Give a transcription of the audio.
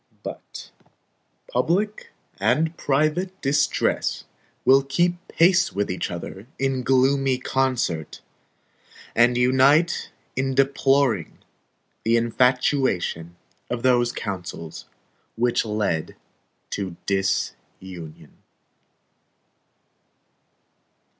But public and private distress will keep pace with each other in gloomy concert; and unite in deploring the infatuation of those counsels which led to disunion.